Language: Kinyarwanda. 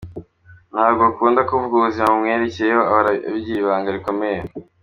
Ntabwo akunda kuvuga ubuzima bumwerekeyeho ahora abigira ibanga rikomeye.